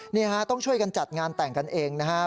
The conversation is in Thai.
นี่ฮะต้องช่วยกันจัดงานแต่งกันเองนะฮะ